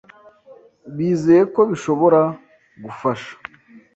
bizeye ko bishobora gufasha